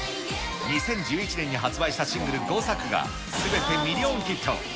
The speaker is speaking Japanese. ２０１１年に発売したシングル５作がすべてミリオンヒット。